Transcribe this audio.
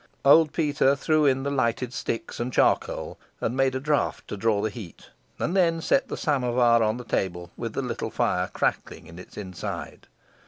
Old Peter threw in the lighted sticks and charcoal, and made a draught to draw the heat, and then set the samovar on the table with the little fire crackling in its inside.